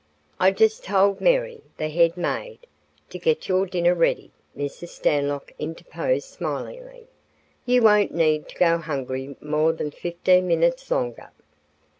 "I just told Mary (the head maid) to get your dinner ready," Mrs. Stanlock interposed smilingly. "You won't need to go hungry more than fifteen minutes longer."